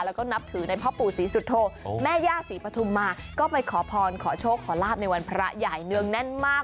แล้วก็นับถือในพ่อปู่ศรีสุโธแม่ย่าศรีปฐุมมาก็ไปขอพรขอโชคขอลาบในวันพระใหญ่เนื่องแน่นมาก